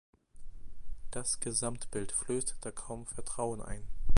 Das Gesamtbild flößt da kaum Vertrauen ein.